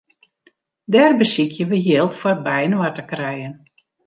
Dêr besykje we jild foar byinoar te krijen.